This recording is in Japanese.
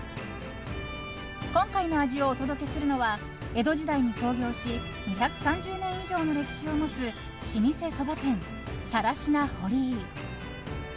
今回の味をお届けするのは江戸時代に創業し２３０年以上の歴史を持つ老舗そば店、更科堀井。